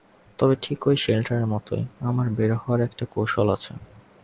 তবে ঠিক ওই শেল্টারের মতোই, আমার বের হওয়ার একটা কৌশল আছে।